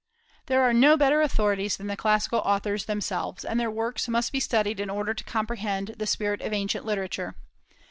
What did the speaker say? There are no better authorities than the classical authors themselves, and their works must be studied in order to comprehend the spirit of ancient literature.